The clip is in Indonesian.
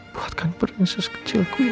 buatkan prinses kecilku ini